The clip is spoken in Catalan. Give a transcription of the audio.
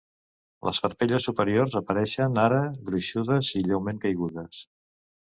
Les parpelles superiors apareixen ara gruixudes i lleument caigudes.